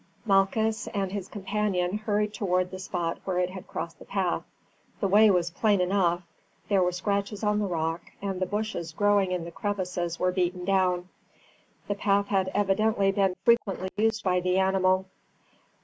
Malchus and his companion hurried forward to the spot where it had crossed the path. The way was plain enough; there were scratches on the rock, and the bushes growing in the crevices were beaten down. The path had evidently been frequently used by the animal.